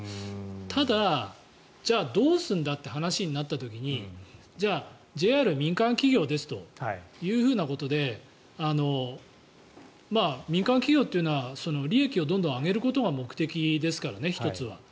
ただ、じゃあどうするんだという話になった時にじゃあＪＲは民間企業ですということで民間企業というのは利益をどんどん上げることが目的ですからね、１つは。